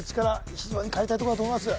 非常に借りたいとこだと思います